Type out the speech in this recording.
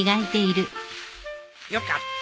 よかった。